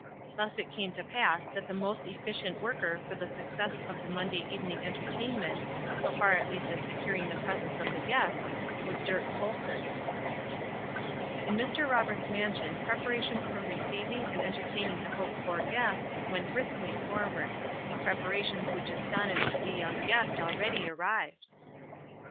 Thus it came to pass that the most efficient worker for the success of the Monday evening entertainment, so far at least as securing the presence of the guests, was Dirk Colson. In Mr. Roberts' mansion preparations for receiving and entertaining the hoped for guests went briskly forward. Preparations which astonished the young guest already arrived.